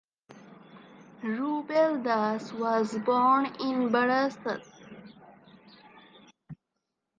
Rubel Das was born in Barasat.